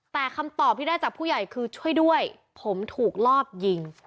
แต่คำตอบที่ได้จากผู้ใหญ่คือช่วยด้วยผมถูกลอบยิง